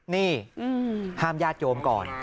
นี่ห้ามญาติโยมก่อน